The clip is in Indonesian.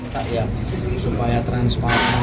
tak yang supaya transparan